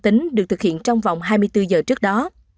tính được thực hiện trong vòng hai mươi bốn giờ trước đó